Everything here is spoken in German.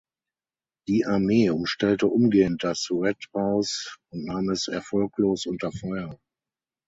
Die Armee umstellte umgehend das Red House und nahm es erfolglos unter Feuer.